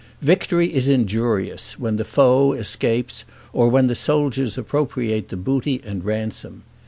Victory is injurious when the foe escapes, or when the soldiers appropriate the booty and ransom.